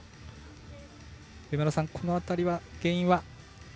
上村さん、この辺りは原因は？